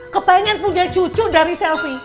kepengen punya cucu dari selfie